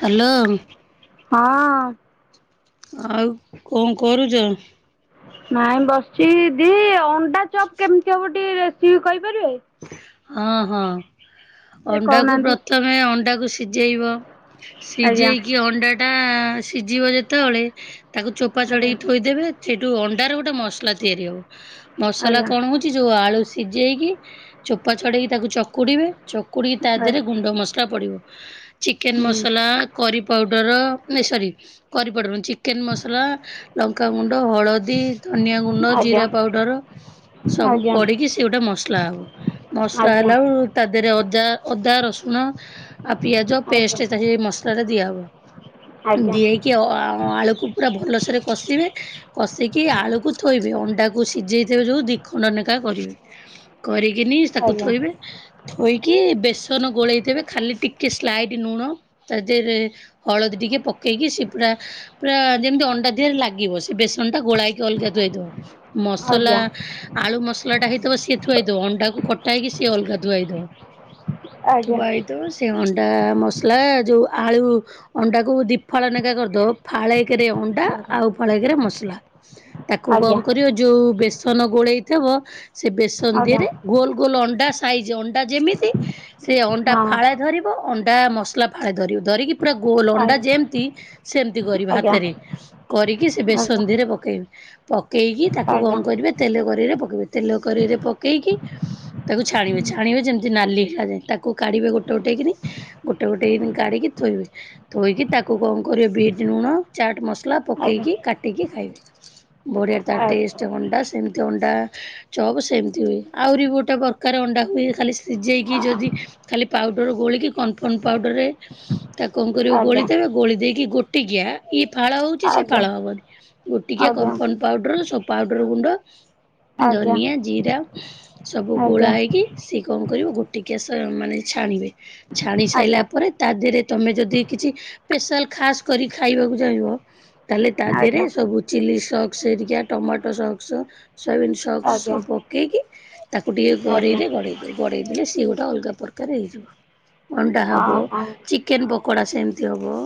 Hello. ହଁ ଆଉ କଣ କରୁଛ? ନାଇଁ ବସିଚ ଦି ଅଣ୍ଡା ଚପ୍ କେମିତି ହବ ଟିକେ ରେସିପ୍ କହିପାରିବେ? ହଁ ହଁ ଟିକେ ଅଣ୍ଡାକୁ କହୁନାହାନ୍ତି ପ୍ରଥମେ ଅଣ୍ଡାକୁ ସିଝେଇବ। ଆଜ୍ଞା ସିଝେଇକି ଅଣ୍ଡା ଟା ସିଝିବ ଯେତେବେଳେ ତାକୁ ଚୋପା ଆଜ୍ଞା ଚଢଡେଇି ଥୋଇଦେବେ ସେଇଠୁ ଅଣ୍ଡେ ର ଗୋଟେ ମସଲା ତିଆରି ହବ। ମସଲା ଆଜ୍ଞା କଣ ହଉଛି ଯୋଉ ଆଳୁ ସିଝେଇକି ଚୋପା ଚଢେଇକି ତାକୁ ଚକୁଡିବେ ଚକୁଡ଼ି ତା ଦେହରେ ଗୁଣ୍ଡ ମସଲା ପଡ଼ିବ। ଚିକେନ ମସଲା କରି ପାଉଡର ନାଇ ସରି କରି ପାଉଡର ନୁହେଁ ଚିକେନ ମସଲା ଲଙ୍କାଗୁଣ୍ଡ, ହଳଦୀ, ଧନିଆ ଗୁଣ୍ଡ, ଆଜ୍ଞା ଜିରା ପାଉଡ଼ର ସବୁ ଆଜ୍ଞା ପଡିକି ସେଗୋଟା ମସ୍ତ ମସଲା ହବ ମସଲା ଆଜ୍ଞା ହେଲା ବ ତା ଦେହରେ ଅଦା ଅଦା ରସୁଣ ଆଉ ପିଆଜ ଆଜ୍ଞା ପେଷ୍ଟ ଏ ମସଲା ଟା ଦିଆହବ ଦିଆ ହେଇକି ଆଳୁକୁ ପୁରା ଭଲସରେ କଷିବେ କଷିକି ଆଳୁକୁ ଥୋଇବେ ଅଣ୍ଡାକୁ ସିଝେଇଥିବ ଯୋଉ ଦିଖଣ୍ଡନେଖା କରିବେ। କରିକିନି ଆଜ୍ଞା ତାକୁ ଥୋଇବେ ଥୋଇକି ବେସନ ଗୋଳେଇବେ ଖାଲି ଟିକେ ସ୍ଲାଇଡ ଲୁଣ ତା ଦେହରେ ହଳଦୀ ଟିକେ ପକେଇକି ସେ ପୁରା ପୁରା ଯେମତି ଅଣ୍ଡା ଦିହରେ ଲାଗିବ ସେ ବେସନ ଟା ଗୋଳାଇକି ଅଲଗା ଧୋଇଇଦବ। ମସଲା ଆଜ୍ଞା ଆଜ୍ଞା ଆଳୁ ମସଲା ଟା ହେଇଥିବ ସିଏ ଥୁ ହେଇଥିବ। ଅଣ୍ଡା କଟା ହୋଇ ସେ ଅଲଗା ଥୁଆହୋଇ ଥିବ। ଥୁ ଆଜ୍ଞା ଆହେଇଥିବ ସେ ଅଣ୍ଡ ଅଣ୍ଡା ମସଲା ଯୋଉ ଆଳୁ ଅଣ୍ଡାକୁ ଦି ଫାଳ ନେକା କରିଦଉ ଫାଳେଇକରେ ଅଣ୍ଡା ଆଉ ଫାଳ କରେ ମସଲା। ତାକୁ ଆଜ୍ଞା କଣ କରିବ ଯୋଉ ବେସନ ଗୋଳେଇଥିବ ସେ ବେସନ ଆଜ୍ଞା ଦିହରେ କ ଅଣ୍ଡା ସାଇଜ ଅଣ୍ଡା ଯେମିତି ସେ ହଁ ଅଣ୍ଡା ଆଜ୍ଞା ଫାଳେ ଧରିବ ଅଣ୍ଡା ମସଲା ଫାଳେ ଧରିବୁ ଧରିକି ପୁରା ଗୋଲ ଆଜ୍ଞା ଅଣ୍ଡା ଆଜ୍ଞା ଯେମିତି ସେମତି କରିବ ହାତରେ କରିକି ସେ ବେସନ ଆଜ୍ଞା ଧିରେ ପକେଇବେ ପକେଇକି ତାକୁ କଣ ଆଜ୍ଞା ଆଜ୍ଞା କରିବେ ତେଲ କରେଇ ରେ ପକେଇବେ ତେଲ କରେଇ ରେ ପକାଇକି [inaudible] ତାକୁ ଛାଣିବେ ଛାଣିବେ ଯେମିତି ନାଲି ହେଲାଯାଏ ତାକୁ କାଢିବେ ଗୋଟେ ଗୋଟେ କିରି ଗୋଟେ ଗୋଟେ କିଣି କାଢିକି ଥୋଇବେ ଥୋଇକି ତାକୁ କଣ କରିବେ ବିଟ୍ ଲୁଣ ଚାଟ ମସଲା ପକେଇକି ଆଜ୍ଞା କାଟିକି ଖାଇବେ। ବଢିଆ ତା ଟେଷ୍ଟ ଅଣ୍ଡା ସେମିତି ଅଣ୍ଡା ଚପ ସେମିତି ହୁଏ। ଆହୁରି ଗୋଟେ ପରକାର ଅଣ୍ଡା ହୁଏ ଖାଲି ସିଝେଇକି ଯଦି ଖାଲି ପାଉଡ଼ର ଗୋଳିକି କନଫର୍ମ ପାଉଡ଼ର ତା କଣ କରିବ ଆଜ୍ଞା ଆଜ୍ଞା ଆଜ୍ଞା ଆଜ୍ଞା ଆଜ୍ଞା ଗୋଳିଦବେ ଗୋଳି ଦେଇକି ଗୋଟିକିଆଇ ଫାଳ ହଉଛି ସେ ଫାଳ ହବନି ଗୋଟିକିଆ କମ୍ପାଉଣ୍ଡ ପାଉଡର ସୋ ପାଉଡର ଗୁଣ୍ଡ ଧନିଆ ଜିରା ସବୁ ଗୋଳା ହେଇକି ସି କଣ? ଗୋଟିକିଆ ସ୍- ମାନେ ଛାଣିଵେ ଛାଣିସାଇଲା ପରେ ତା ଦିହରେ ତମେ ଯଦି କିଛି ପେଶାଲ ଖାସ୍ କରି ଖାଇବାକୁ ଚାହିଁବ? ତାହେଲେ ତା ଦେହେରେ ସବୁ ଚିଲି ସକ୍ସ ହେରିକା ଟମାଟୋ ସକ୍ସ ସୋୟାବିିନ୍ ସକ୍ସ ଆଜ୍ଞା ଆଜ୍ଞା ସବୁ ପକେଇକି ତାକୁ ଟିକେ ଆଜ୍ଞା ଗରେଇରେ ଗଡେଇ ଦେଇ ଗଡେଇ ଦେଇ ଇଏ ଗୋଟେ ଅଲ୍ ଗା ପ୍ରକାର୍ ହେଇଯିବ ଅଣ୍ଡା ହଁ ହବ, ହଁ ଚିକେନ୍ ପ କଡ଼ା ସେମ୍ ତି ହବ।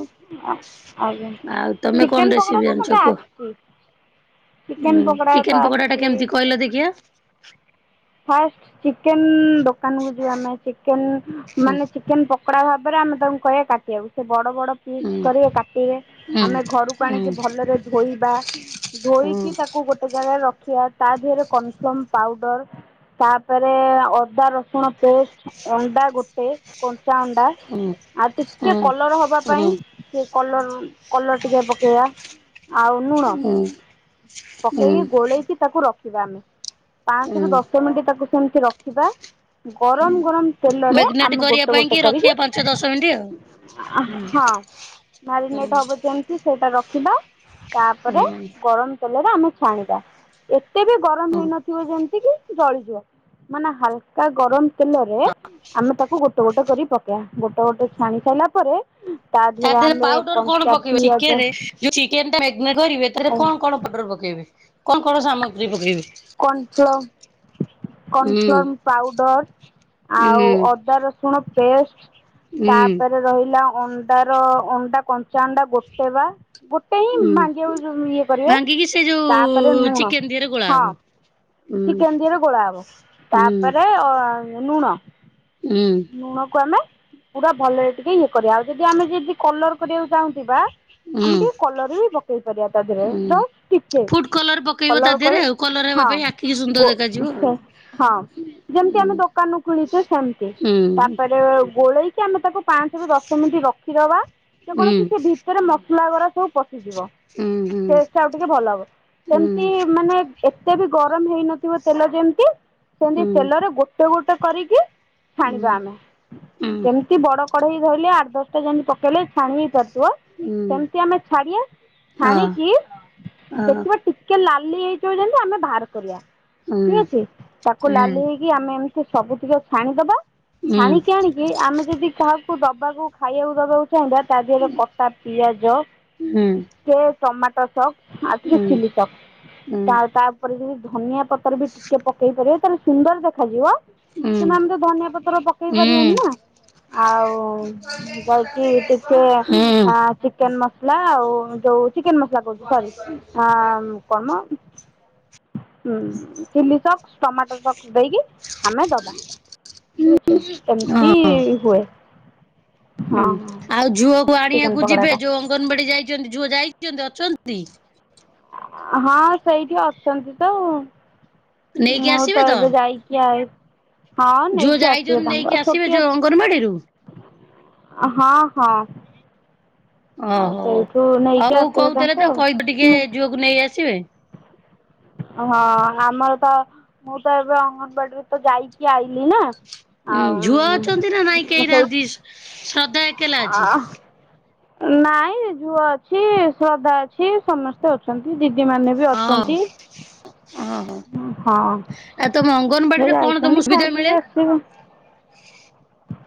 ଆଜ୍ଞା ଆଉ ତମେ ଚିକେନ୍ କଣ ପକୋଡ଼ା ରେସିପି ତ ଜାଣିଚ ମୋତେ କୁହ? ଆସିଛି ଚିକେନ୍ ଉଁ ପକୋଡ଼ା ଚିକେନ୍ ତ ପକଡା ଟା ଆସିଛି କେମ୍ତି କହିଲ ଦେଖିଆ? ପାଷ୍ଟ ଚିକେନ୍ ଦୋକାନ କୁ ଯିବା ଆମେ ଚିକେନ୍ ହୁଁ ମାନେ ଚିକେନ୍ ପ ପଡା ଭାବରେ ଆମେ ତାଙ୍କୁ କହିବା କାଟିବାକୁ ସେ ବଡ ବଡ ପିସ୍ କରିଏ ହୁଁ କାଟିବେ ହୁଁ ଆମେ ଘରକୁ ଆଣିକି ହୁଁ ଭଲରେ ଧୋଇବା ଧୋଇ କି ତାକୁ ଗୋଟେ ଜାଗାରେ ରଖିବା। ତା ଦିହରେ କନ୍ ଫ୍ଲମ୍ ପାଉଡର ତାପରେ ଅଦା ରସୁଣ ପେଷ୍ଟ ଅଣ୍ଡା ଗୋଟେ କଞ୍ଚା ଅଣ୍ଡା ହୁଁ ହୁଁ। ଆଉ ଟିକେ ହୁଁ କଲର୍ ହବା ହୁଁ ପାଇଁ ସେ କଲର୍ କଲର୍ ଟିକେ ପକେଇବା। ଆଉ ନୁଣ ହୁଁ ହୁଁ ପକେଇକି ଗୋଳେଇକି ତାକୁ ରଖିବା ଆମେ। ପାଞ୍ଚରୁ ହୁଁ ଦଶ୍ ତାକୁ ସେମ୍ତି ରଖିବା। ଗରମ୍ ଗରମ୍ ତେଲରେ ମ୍ୟାଗନେଟ ଆମେ କରିବା ଗୋଟେ ପାଇଁ ଗୋଟେ କି କରିକି ରଖିବା ପାଞ୍ଚ ଦଶ ମିନିଟ୍ ଆଉ। ହଁ ହୁଁ ହୁଁ ମ୍ୟାରିନେଟ ହବ ଯେମିତି ସେଇଟା ରଖିବା। ତାପରେ ହୁଁ ଗରମ ତେଲରେ ଆମେ ଛାଣିବା ଏତେ ବି ଗରମ ହୁଁ। ହେଇନଥିବ ଯେମ୍ ଜଳିଯିବ ମାନେ ହାଲୁକା ଗରମ୍ ତେଲରେ ଆମେ ତାକୁ ଗୋଟେ ଗୋଟେ କରି ଗୋଟେ ଗୋଟେ ଛାଣି ସାଇଲା ପରେ ତା ଦେହରେ ଆମେ ପାଉଡର କଣ କଞ୍ଚା ପକେଇବ ପିଆଜ ଚିକେନେ ଚିକେନ୍ ଟା ନେ ଗରିବେ ତାରେ କଣ କଣ ପାଉଡର ପକେଇବେ? କଣ କଣ ସାମଗ୍ରୀ ପକେଇବେ। କନ୍ ହୁଁ ଫ୍ରମ୍ ପାଉଡର୍। ଆଉ ହୁଁ ଅଦା ରସୁଣ ପେଷ୍ଟ ହୁଁ ତାପରେ ରହିଲା ଅଣ୍ଡାର ଅଣ୍ଡା କଞ୍ଚା ଅଣ୍ଡା ଗୋଟେ ବା ଗୋଟେ ହିଁ ହୁଁ। ମାଣ୍ଡିଆକୁ ଇଏ କରିବେ ଭାଙ୍ଗିକି ସେ ଯୋଉ ତାପରେ ନୁଣ ଚିକେନ ଦିହରେ ଗୋଳା ହବ। ହଁ ହୁଁ ଚିକେନ ଦିହେରେ ଗୋଳା ହବ ହୁଁ ତାପରେ ଅ ଲୁଣ ହୁଁ ଲୁଣକୁ ଆମେ ପୁରା ଭଲରେ ଟିକେ ଇ କରିବା ଆଉ ଯଦି ଆମେ ଯଦି କଲର କରିବାକୁ ଚାହୁଁଥିବା ହୁଁ ଆମେ ଟିକେ କଲର୍ ବି ପକେଇ ପାରିବା ତା ଦେହେରେ ହୁଁ। ଯଷ୍ଟ୍ ଟିକେ। ଫୁଡ କଲର ପକେଇବ ତା କଲର୍ ଦେହରେ କରେ ଆଉ କଲର ହେବା ହଁ ପାଇଁ ଆଖିକି ସୁନ୍ଦର ଗୋ ଦେଖାଯିବ ଆଉ। ସେ ହଁ ଯେମିତି ହୁଁ ଆମେ ଦୋ କାନୁ କିଣିଚେ ସେମତି ତାପରେ ଗୋଳେଇକି ଆମେ ତାକୁ ପାଞ୍ଚ ରୁ ଦଶ ମିନିଟ୍ ରଖିଦବା ଯେକୌଣସି ସେ ଭିତରେ ମସଲା ଗୁରା ସବୁ ପସି ସିଯିବ ଟେଷ୍ଟ୍ ଆଉ ଟିକେ ଭଲ ହବ ସେମତି ମାନେ ଏ ସେ ବି ଗରମ୍ ହେଇନଥିବ ତେଲ ଯେମିତି ସେମତି ତେଲରେ ଗୋଟେ ଗୋଟେ କରିକି ଛାଣିବା ଆମେ ଯେମିତି ବଡ କଢେଇ ଧଇଲେ ଆଠ ଦଶଟା ଯେମିତି ପକେଇଲେ ଛାଣି ହେଇପାରି ଥିବ ସେମ୍ତି ଆମେ ଛାଡ଼ିବା ଛାଣିକି ଦେଖିବା ଟିକେ ଲାଲ୍ ଲି ହେଇଯିବ ଯେମ୍ତି ଆମେ ବାହାର କରିବା ଠିକ୍ ଅଛି ତାକୁ ଲାଲି ହେଇକି ଆମେ ସବୁ ତିକ ଛାଣିଦବା ଛାଣିକି ଆଣିକି ଆମେ ଯଦି କାହାକୁ ଦବାକୁ ଖାଇବାକୁ ଦବାକୁ ସିଉଁଦା ତା ଦେହରେ କଟା ପିଆଜ ଟିକେ ଟମାଟୋ ସକ୍ ଆଉ ଟିକେ ଚିଲି ସକ୍ ତା ତାପରେ ଯଦି ଧନିଆ ପତର ବି ଟିକେ ପକେଇ ପାରିବ ତାଲେ ସୁନ୍ଦର୍ ଦେଖାଯିବ କିନୁ ଆମେ ତ ଧନିଆ ପତ୍ର ପକେଇ ପାରିବାନି ନା ଆଉ ଯାଇକି ଟିକେ ଆଁ ଚିକେନ୍ ମ ଲା ଆଉ ଯୋଉ ଚିକେନ୍ ମସଲା କୋହୁଛି ସରି ଆ କଁ ମ ଉଁ ଚିଲି ସକ୍ସ ଟମାଟୋ ସକ୍ସ ଦେଇକି ଆମେ ଦବା। ଠିକ୍ ଅଛି ଏମ୍ ତି ହଁ ହୁଏ। ହଁ ହୁଁ ହଁ ଆଉ ଝୁଅକୁ ଚିକେନ ଆଣିବାକୁ ପକୋଡା ଯିବେ ଟା ଯୋଉ ଅଙ୍ଗନବାଡି ଯାଇଚନ୍ତି ଝୁଅ ଯାଇ ଦିଅନ୍ତି ଅଛନ୍ତି। ହଁ ସେଇଠି ଅଛନ୍ତି ତ ନେଇକି ମୁଁ ଆସିବେ ତ ଏବେ ଯାଇକି ଆ ହଁ ଝୁଅ ନେଇକି ଆସିବେ ଯାଇଛନ୍ତି ତାଙ୍କୁ ନେଇକି ଆଉ ଆସିବେ ଛୋଟିଆ ଯୋଉ ଛୁ ଅଙ୍ଗନବାଡିରୁ? ହଁ ହଁ। ଅ ଆଉ ହଉ ସେଇଠୁ ନେଇକି ବୋଉ ଆସିବେ କଉଥିଲେ ତାଙ୍କୁ ତ ଆଉ। କହିବ ଟିକେ ମୁଁ ଝୁଅକୁ ନେଇ ଆସିବେ। ହଁ ଆମର ତ ମୁଁ ତ ଏବେ ଅଙ୍ଗନବାଡିରୁ ତ ଯାଇକି ଆଇଲିି ନା‌। ଉଁ ଆଉ ଝୁଅ ଅଛନ୍ତି ନା ନାଇଁ କେହି ମୁଁ ସେଇ ନାହାନ୍ତି ଶ୍ରଦ୍ଧା ଏକେଲା ଆ ଅଛି। ନାଇଁ ଝୁଅ ଅଛି ଶ୍ରଦ୍ଧା ଅଛି ସମସ୍ତେ ଅଛନ୍ତି ଦିଦି ଦିଦି ମାନେ ବି ହଉ ଅଛନ୍ତି। ଓହୋ ହଁ ଆଉ ତମ ସେ ଅଙ୍ଗନବାଡିରେ କଣ ତମକୁ ଯାଇଛନ୍ତି ସୁବିଧା ଖାଇ ମିଳେ? ପିଇିକି ଆସିବେ। [inaudible]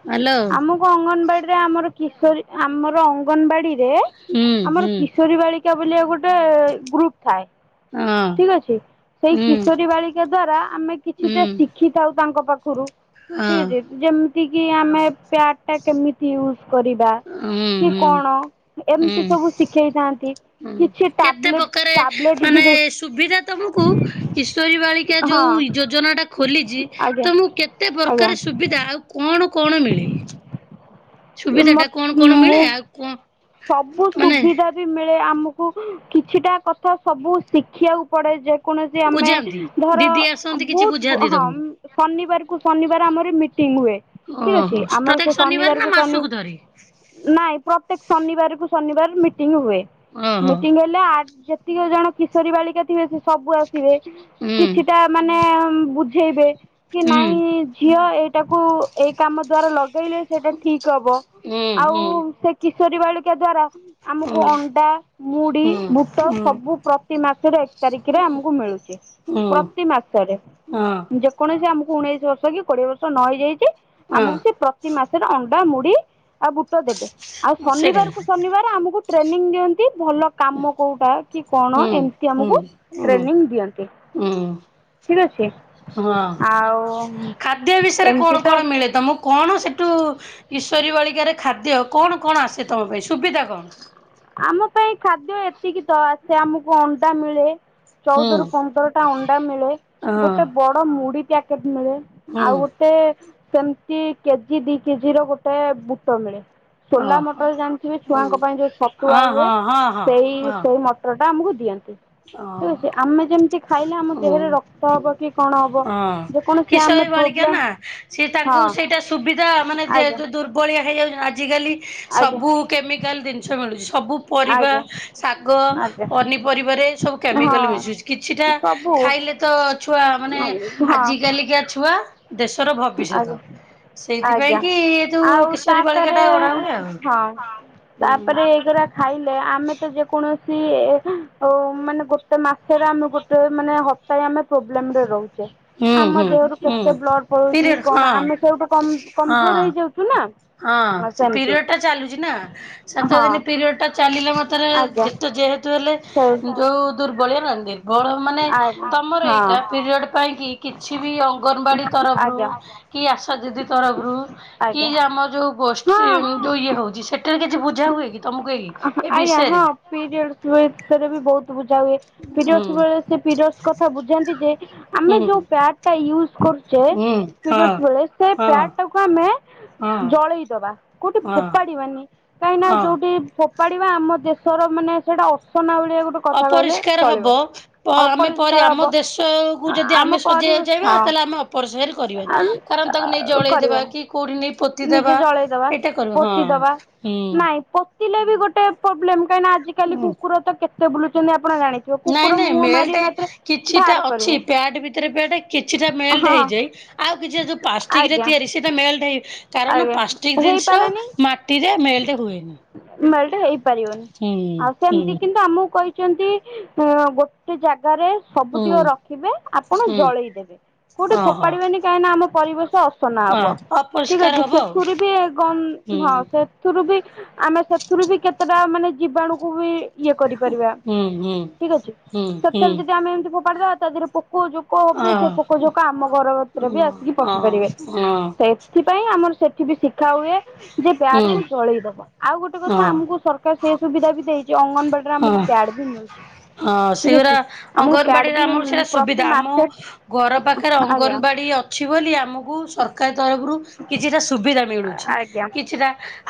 ହ୍ୟାଲୋ ଆମକୁ ଅଙ୍ଗନବାଡି ରେ ଆମର କିଶୋରୀ ଆମର ଅଙ୍ଗନବାଡି। ଯେ ହୁଁ ଆମର ହୁଁ କିଶୋରୀ ବାଳିକା ବୋଲିକା ଗୋଟେ ଗ୍ରୁପ ଥାଏ। ହଁ ଠିକ୍ ଅଛି ସେଇ ହୁଁ କିଶୋରୀ ବାଳିକା ଦ୍ଵାରା ଆମେ କିଛିଟା ହୁଁ ଶିଖିଥାଉ ତାଙ୍କ ପା ଖୁରୁ ଠିକ୍ ଅଛି ହଁ ଯେମିତି କି ଆମେ ପ୍ୟାଡ଼ ଟା କେମିତି ୟୁଜ୍। କରିବା ହୁଁ କି ହୁଁ। କଣ ହୁଁ ଏମିତି ସବୁ ଶିଖେଇଥାନ୍ତି। ହୁଁ, କିଛି କେତେ ଟାବଲେଟ ପ୍ରକାରେ ଟାବଲେଟ ବି ମାନେ ଦେ ସୁବିଧା ତମକୁ କିଶୋରୀ ବାଳିକା ହଁ ଯୋଉ। ଯୋଜନା ଟା ଖୋଲିଛି ଆଜ୍ଞା ତମୁକୁ କେତେ ପ୍ରକାର ଆଜ୍ଞା। ସୁବିଧା ଆଉ କଣ। କଣ ମିଳେ ସୁବିଧା ଟା କଣ କଣ ମିଳେ ମୁଁ ଆଉ କଣ। ସବୁ ମାନେ ସୁବିଧା ବି ମି ଯେ ଆମକୁ କିଛିଟା କଥା ସବୁ ଶିଖିବାକୁ ପଡେ ଯେ କୌଣସି ଆମେ ବୁଝାନ୍ତି ଧର ଦିଦି ଆସନ୍ତି କିଛି ବହୁତ ବୁଝାନ୍ତି ହଁ, ତମକୁ। ଶନିବାର କୁ ଶନିବାର ଆମର ମିଟିଂ। ହୁଏ ଠିକ ଅଛି ଓହୋ ଆମର ପ୍ରତ୍ୟେକ ସେ ଶନିବାର ନା ଶନିବାରକୁ ଶନି ମାସକୁ ଥରେ? ନାଇଁ ପ୍ରତେକ। ଶନିବାର କୁ ଶନିବାର ମିଟିଂ ହୁଏ। ଓହୋ ମିଟିଂ ହେଲେ ଆ ଯେ ଜେତିକ ଜଣ କିଶୋରୀ ବାଳିକା ଥିବେ ସେ ସବୁ ଆସିବେ ହୁଁ କିଛିଟା ମାନେ। ବୁଝେଇବେ କି ହୁଁ ନାଇଁ ଝିଅ ଏଇଟାକୁ ଏଇ କାମ ଦ୍ଵାରା ଲଗ ଲଗେଇଲେ ସେଇଟା ଠିକ ହବ ହୁଁ ଆଉ ହୁଁ। ସେ କିଶୋରୀ ବାଳିକା ଦ୍ଵାରା। ଆମକୁ ହୁଁ ହୁଁ ଅଣ୍ଡା, ମୁଢି, ବୁଟ ହୁଁ ସବୁ ପ୍ରତି ମାସରେ ଏକ। ତାରିଖରେ ଆମକୁ ମିଳୁଛି, ହୁଁ ପ୍ରତି ମାସରେ ହଁ ଯେକୌଣସି ଆମକୁ। ଉଣେଇଶି ବର୍ଷ କି କୋଡିଏ ବର୍ଷ ନ ହେଇଯାଇଛି ଆମକୁ ସେ ହଁ ପ୍ରତି ମାସରେ ଅ ଣ୍ଡା ମୁଢ଼ି ଆଉ ବୁଟ ଦେବେ। ଆଉ ସେଇଟା ଶନିବାର କୁ ଶନିବାର ଆମକୁ ଟ୍ରେନିଂ ଦିଅନ୍ତି। ଭଲ କାମ କୋଉଟା କି କଣ ହୁଁ ଏମତି ହୁଁ ଆମକୁ ହୁଁ ଟ୍ରେନିଂ ଦିଅନ୍ତି। ହୁଁ ଠିକ ଅଛି ହଁ, ଆଉ ଖାଦ୍ୟ ବିଷୟରେ ଏମିତି କଣ ତ କଣ ମିଳେ ତମକୁ। କଣ ସେଠୁ କିସୋରୀ ବାଳିକାରେ ଖାଦ୍ୟ କଣ କଣ ଆସେ ତମ ପାଇଁ ସୁବିଧା କଣ? ଆମ ପାଇଁ ଖାଦ୍ୟ ଏତିକି ତ ଆସେ ଆମକୁ ଅଣ୍ଡା ମିଳେ। ହୁଁ ଚଉଦରୁ ପନ୍ଦରଟା ଅଣ୍ଡା ମିଳେ। ହଁ ଗୋଟେ ବଡ ମୁଢ ପ୍ୟାକେଟ। ମିଳେ ହୁଁ ଆଉ ଗୋଟେ ସେମତି କେଜି ଦି କେଜି ର ଗୋଟେ ବୁଟ ମିଳେ। ସୋଲା ଓହୋ ମଟର ଜାଣିଥିବେ ଛୁଆଙ୍କ ପାଇଁ ଯୋଉ ଛତୁଆ ହଁ ହୁଏ। ହଁ ହଁ ହଁ ସେଇ ହଁ ସେଇ ମଟର। ଟା ଆମକୁ ଦିଅନ୍ତି। ହଁ ଠିକ ହଁ ଅଛି ଆମେ ଯେମିତି ଖାଇଲେ ଆମ ହୁଁ ଦେହରେ ରକ୍ତ ହବ କି କଣ ହବ ହଁ ଯେ କୌଣସି ଆ କିଶୋରୀ ବାଳିକା ନା, ସିଏ ତାଙ୍କୁ ସେଇଟା ସୁବିଧା ମାନେ ଯେ ଆଜ୍ଞା ଯୋଉ ଦୁର୍ବଳିଆ ହେଇଯାଉଛନ୍ତି ଆଜିକାଲି। ଆଜ୍ଞା ସବୁ କେମିକାଲ ଜିନିଷ ମିଳୁଛି ସବୁ ପରିବା, ଆଜ୍ଞା ଶାଗ, ଆଜ୍ଞା ପନିପରିବାରେ। ସବୁ କେମିକାଲ ମିଶଛି କିଛିଟା ହଁ ସବୁ ଖାଇଲେ ତ ଛୁଆ ମାନେ ହଁ ଆଜି କାଲିକା ଛୁଆ। ଦେଶର ଭବିଷ୍ୟତ। ଆଜ୍ଞା ସେଇଥିପାଇଁ ଆଜ୍ଞା କି ଏ ଯୋଉ ଆଉ କିଶୋରୀ ବାଳିକା ତାପରେ ଟା ଅଣା ହୁଏ ହଁ ଆଉ। ହୁଁ ତାପରେ ଏଇଗୁରା ଖାଇଲେ ଆମେ ତ ଯେକୌଣସି। ସି ଏ ହଉ ମାନେ ଗୋଟେ ମାସରେ ଆମେ ଗୋଟେ ମାନେ ହପ୍ତାହେ ଆମେ ପ୍ରୋବ୍ଲେମରେ ରହୁ ଚେ ହୁଁ ଆମ ହୁଁ ଦେହରୁ ହୁଁ କେତେ ବ୍ଲଡ ପଳଉଛି କି ପିରିୟଡ଼ କଣ ହଁ ଆମେ ସେଇଠୁ କମ ହଁ କମଜୋର ହେଇଯାଉଛୁ ନା। ହଁ, ସେ ପିରିୟଡ ଟା ଚାଲୁଛି ନା ସାତ ହଁ ଦିନି ପିରିୟଡ ଟା ଚାଲିଲା ମାତ୍ରାରେ ଆଜ୍ଞା ଯେତେ। ଯେହେତୁ ହେଲେ ସେ ଯୋଉ ଦୂର୍ବଳିଆ ନା ଦୁର୍ବଳ ମାନେ ଆଜ୍ଞା ତମର ହଁ ଏଇଟା ପିରିୟଡ଼ ପାଇଁକି କିଛି ବି ଅଙ୍ଗନବାଡ଼ି ତରଫରୁ ଆଜ୍ଞା କି ଆଶା ଦିଦି ତରଫରୁ କି ଆଜ୍ଞା ଆମ ଯୋଉ ଗୋଷ୍ଠୀ ହଁ ଯୋଉ ଇଏ ହଉଛି ସେଠାରେ କି କିଛି ବୁଝା ହୁଏ ତମକୁ ଏଇ ଏ ଆଜ୍ଞା ହଁ ବିଷୟରେ ପିରିୟଡସ୍ ରେ ବି ବହୁତ ବୁଝା ହୁଏ ହୁଁ ପିରିୟଡସ୍ ବେଳେ ସେ ପିରିୟଡସ୍ କଥା ବୁଝାନ୍ତି ଯେ ଆମେ ହୁଁ ଯୋଉ ପ୍ୟାଡ୍ ଟା କରୁଚେ ହୁଁ ହଁ ପିରୀୟର୍ଡସ୍ ବେଳେ ସେ ହଁ ପ୍ୟାଡ଼ ଟାକୁ ଆମେ ହଁ ଜଳେଇ ଦବା କୋଉଠି ହଁ ଫୋପାଡିବାନି। କାହିଁକି ନା ହଁ ଯୋଉଠି ଫୋପାଡିବା ଆମ ଦେଶର ମାନେ ସେଇଟା ଅସନା ଭଳିଆ ଗୋଟେ କଥା କହିଲେ ଅପରିଷ୍କାର ଚଳିବ। ହବ ଆମେ ପ ଅପରିଷ୍କାର ହବ ଆମ ଦେଶ କୁ ଯଦି ଆମ ଆମେ ସଜେଇବାକୁ ପରିବେଶ ଚାହିଁବା ତାହେଲେ ଅପରଶୟ ରେ ହଁ କରିବାନି କାରଣ ତାକୁ ନେଇ ଜଳେଇ ଦେବା କରିବାନି। କଉଠି ନେଇକି ନିଜେ ଜଳେଇଦବା ପୋତି ଦବା ହୁଁ ନାଇଁ ପୋ ଥିଲେ ବି ଗୋଟେ ପ୍ରୋବ୍ଲେମ୍ କାହିଁକି ନା ଆଜିକାଲି ହୁଁ କୁକୁର ତ କେତେ ତେ ବୁଲୁଛନ୍ତି ଆପଣ ଜାଣିଥିବ ନାଇଁ କୁକୁର ନାଇଁ ମୁହଁ ମେଲ୍ଟେ ମାରିବେ ମାତ୍ରେ କିଛିଟା ବାହାର ଅଛି କରିବ। ପ୍ୟାଡ ଭିତରେ ପ୍ୟାଡ କିଛିଟା ମେଲ୍ଟ ହେଇଯାଇ ଆଉ କିଛି ଯୋଉ ପ୍ଲାଷ୍ଟିକ ରେ ଆଜ୍ଞା ତିଆରି ସେଇଟା ମେଲ୍ଟ କାରଣ ଆଜ୍ଞା ପାଷ୍ଟିକ ଜିନିଷ ହେଇପାରେନି ମାଟିରେ ମେଲ୍ଟ ହୁଏନି। ମେଲ୍ଟ ହେଇପାରିବନି ହୁଁ ଆଉ ହୁଁ ସେମିତି କିନ୍ତୁ ଆମକୁ କହିଛନ୍ତି ଗୋଟେ ଜା ଗାରେ ହୁଁ ସବୁତିକ ରଖିବେ ଆପଣ ହୁଁ ଜଳେଇଦେବେ କୋଉଠି ଓହୋ ଫୋପାଡିବେନି କାହିଁକି ନା ଆମ ପରିବେଶ। ଅସନା ହବ। ହଁ [unintelligible] ଠିକ ଆଉ ସେଥିରୁ ବି କମ୍ ହଁ ହୁଁ। ସେଥି ସେଥିରୁ ବି ଆମେ ସେଥିରୁ ବି କେତେଟା ମାନେ ଜୀବାଣୁକୁ ବି ଇଏ କରିପାରିବା ଠିକ୍ ଅଛି ସେଠେରୁ ଯଦି ଆମେ ଏମତି ଫୋପାଡ଼ିଦବା ତା ଦେହରେ ପୋକ ଯୋକ ହବ ସେ ପୋକ ଯୋକ ଆମ ଘର ଭିତରେ ବି ଆସିକି ପଶିପାରିବେ ସେଇ ସେଠି ବି ଶିଖ ଦେଖା ହୁଏ ଯେ ବ୍ୟାଡ କୁ ଜଳେଇ ଦବା ଆଉ ଗୋଟେ କଥା ଆମକୁ ସରକାର ସେ ସୁବିଧା ବି ଦେଇ ସେ ଅଙ୍ଗନବାଡ଼ିରେ ଆମକୁ ପ୍ୟାଡ ବି ମିଳୁଛି। ହଁ ଠିକ୍ ସେଗୁଡା ଅଛି ଆମକୁ ପ୍ୟାଡ୍ ଅଙ୍ଗନବାଡିରେ ବି ଆମର ସେଇଟା ପ୍ରତି ସୁବିଧା ଆମ ମାସେ ଘର ପାଖରେ ଆଜ୍ଞା। ଅଙ୍ଗନବାଡି। ଅଛି ବୋଲି ଆମକୁ ସରକାର ତରଫରୁ କିଛିଟା ସୁବିଧା ମିଳୁଛି ଆଜ୍ଞା କିଛିଟା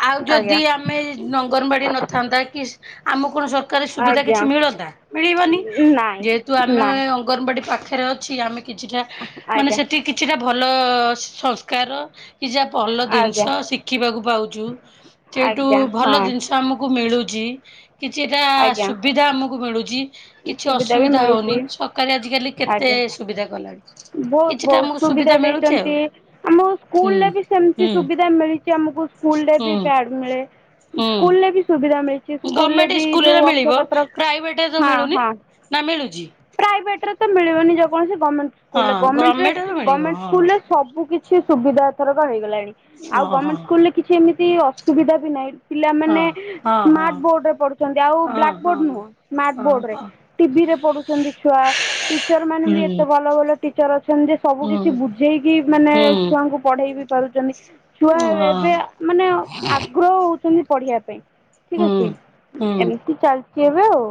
ଆଉ ଆଜ୍ଞା ଯଦି ଆମେ ଅଙ୍ଗନବାଡି ନ ଥାନ୍ତା କି ଆମକୁ କଣ ସରକାରୀ ସୁବିଧା ଆଜ୍ଞା କିଛି ମିଳନ୍ତା ମିଳିବନି ନାଇଁ ଯେହେତୁ ଆମେ ନାଇଁ। ଅଙ୍ଗନବାଡି ପାଖ ଅଛି ଆମେ କିଛିଟା ମାନେ ଆଜ୍ଞା ସେଠି କିଛିଟା ଭଲ ସଂସ୍କାର କିଛିଟା ଭଲ ଜିନିଷ ଆଜ୍ଞା ଶିଖିବାକୁ ପାଉଛୁ ସେଇଠୁ ଆଜ୍ଞା ଭଲ ହଁ ଜିନିଷ ଆମକୁ ମିଳୁଛି। ଜି କିଛିଟା ଆଜ୍ଞା ସୁବିଧା ଆମକୁ ମିଳୁଛି। କିଛି ସୁବିଧା ବି ଅସୁବିଧା ହଉନି ମିଳୁଛି। ସରକାର ଆଜିିକାଲି କେତେ ଆଜ୍ଞା ସୁବିଧା କଲାଣି। ବହୁତ କିଛିଟା ଆମକୁ ବହୁତ ସୁବିଧା ମିଳୁଛି ଦେଇଛନ୍ତି ଆଉ ଆମକୁ ହୁଁ ସ୍କୁଲ ରେ ବି ସେମିତି ହୁଁ ସୁବିଧା ମିଳିଛି ଆମକୁ। ସ୍କୁଲରେ ବି ହୁଁ। ପ୍ୟାଡ ମିଳେ ସ୍କୁଲ ହୁଁ ରେ ସବୁ ସ୍କୁଲ ରେ ଗଭର୍ଣମେଣ୍ଟ ବି ସ୍କୁଲରେ ଯୋଉ ମିଳିବ [unintelligible] ପ୍ରାଇଭେଟରେ ତ ହଁ ମିଳୁନି। ହଁ। ନା ମିଳୁଛି ପ୍ରାଇଭେଟ ରେ ତ ମିଳିବନି ଯେକୌଣସି ଗମେଣ୍ଟ ସ୍କୁଲ ରେ ହଁ ଗଭର୍ଣମେଣ୍ଟରେ ମିଳିବ ଗମେଣ୍ଟ ସ୍କୁଲ ରେ ହଁ ସବୁ କିଛି କିଛି ସୁବିଧା ଏଥରକ ହେଇଗଲାଣି ଓ ଆଉ ହଁ। ଗମେଣ୍ଟ ସ୍କୁଲ ରେ କିଛି ଏମିତି ଅସୁବିଧା ବି ନାହିଁ। ପିଲାମାନେ ହଁ ହଁ ସ୍ମାର୍ଟ ବୋର୍ଡ ରେ ପଢୁଛନ୍ତି ଆଉ ହଁ ବ୍ଲାକ୍ ହଁ ବୋର୍ଡ ହଁ। ନୁହଁ ସ୍ମାର୍ଟ ବୋର୍ଡ ରେ ଓହୋ ଟିଭି ପଢୁଛନ୍ତି ଛୁଆ ଟିଚର ମାନେ ବି ଏତେ ହୁଁ ଭଲ ଭଲ। ଟିଚର ଅଛନ୍ତି ଯେ ସବୁ ହୁଁ କିଛି ବୁଝେଇକି ମାନେ ହୁଁ ଛୁଆଙ୍କୁ ପଢେଇ ବି ପାରୁଛନ୍ତି। ଛୁଆ ଏବେ ହଁ ମାନେ ଆଗ୍ରହ ହଉଛନ୍ତି ପଢିବା ପାଇଁ। ଠିକ୍ ହୁଁ ଅଛି ହୁଁ। ଏମିତି ଚାଲିଛି ଏବେ ଆଉ।